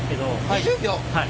はい。